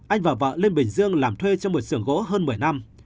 anh và vợ lên bình dương làm thuê trong một sưởng gỗ hơn một mươi năm